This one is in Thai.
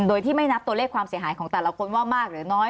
โดยที่ไม่นับตัวเลขความเสียหายของแต่ละคนว่ามากหรือน้อย